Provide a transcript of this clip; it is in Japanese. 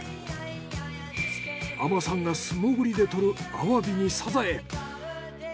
海女さんが素潜りで獲るアワビにサザエ。